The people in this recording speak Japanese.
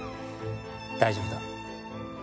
大丈夫だ。